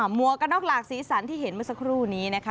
วกกันน็อกหลากสีสันที่เห็นเมื่อสักครู่นี้นะคะ